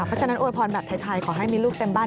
เพราะฉะนั้นโวยพรแบบไทยขอให้มีลูกเต็มบ้าน